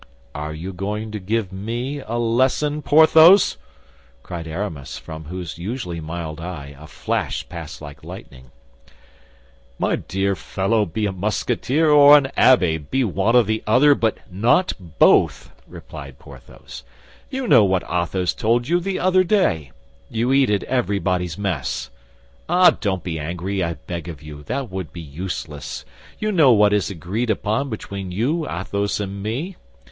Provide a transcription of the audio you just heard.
"Are you going to give me a lesson, Porthos?" cried Aramis, from whose usually mild eye a flash passed like lightning. "My dear fellow, be a Musketeer or an abbé. Be one or the other, but not both," replied Porthos. "You know what Athos told you the other day; you eat at everybody's mess. Ah, don't be angry, I beg of you, that would be useless; you know what is agreed upon between you, Athos and me.